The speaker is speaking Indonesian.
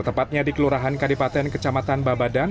tepatnya di kelurahan kadipaten kecamatan babadan